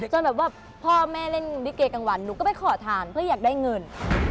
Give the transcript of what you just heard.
จนแบบว่าพ่อแม่เล่นลิเกกลางวันหนูก็ไปขอทานเพื่ออยากได้เงิน